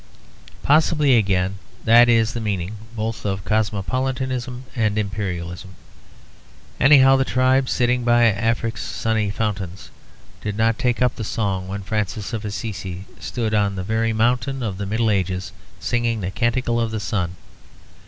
Possibly again that is the meaning both of cosmopolitanism and imperialism. Anyhow the tribes sitting by Afric's sunny fountains did not take up the song when Francis of Assisi stood on the very mountain of the Middle Ages, singing the Canticle of the Sun.